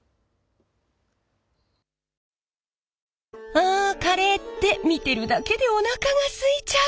あカレーって見てるだけでおなかがすいちゃう！